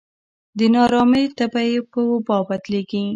د نا ارامۍ تبه یې په وبا بدلېږي.